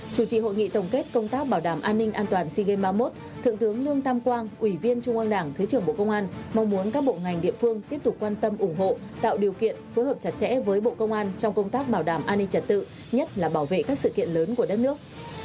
chủ trì hội nghị tổng kết công tác bảo đảm an ninh an toàn sea games ba mươi một thượng tướng lương tam quang ủy viên trung an đảng thứ trưởng bộ công an mong muốn các bộ ngành địa phương tiếp tục quan tâm ủng hộ tạo điều kiện phối hợp chặt chẽ với bộ công an trong công tác bảo đảm an ninh trật tự nhất là bảo vệ các sự kiện lớn của đất nước